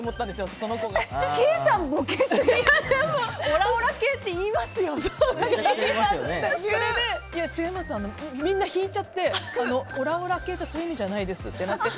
それで、違いますってみんな引いちゃってオラオラ系ってそういう意味じゃないですってなって。